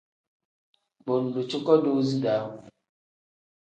Bo ngdu cuko doozi da.